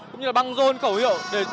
cũng như là băng rôn khẩu hiệu để